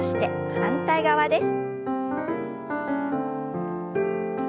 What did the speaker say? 反対側です。